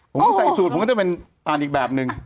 ผมก็ใส่สูตรผมก็จะเป็นอ่านอีกแบบนึง